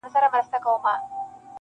چي پیدا سوه د ماښام ډوډۍ حلاله -